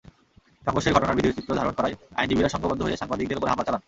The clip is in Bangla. সংঘর্ষের ঘটনার ভিডিওচিত্র ধারণ করায় আইনজীবীরা সংঘবদ্ধ হয়ে সাংবাদিকদের ওপর হামলা চালান।